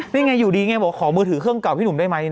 นี่ไงอยู่ดีไงบอกขอมือถือเครื่องเก่าพี่หนุ่มได้ไหม